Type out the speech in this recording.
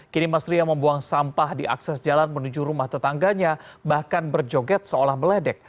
kini mas ria membuang sampah di akses jalan menuju rumah tetangganya bahkan berjoget seolah meledek